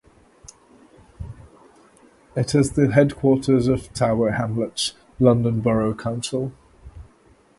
It is the headquarters of Tower Hamlets London Borough Council.